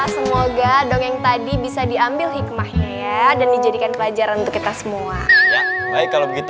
semoga dongeng tadi bisa diambil hikmahnya dan dijadikan pelajaran untuk kita semua